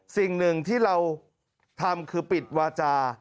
สิ่งหนึ่งที่เราทำคือปิดวาจา